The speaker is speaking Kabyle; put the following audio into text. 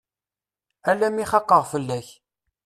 Alammi xaqeɣ fell-ak.